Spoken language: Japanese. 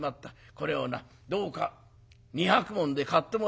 これをなどうか二百文で買ってもらいたい」。